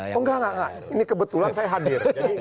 oh enggak enggak ini kebetulan saya hadir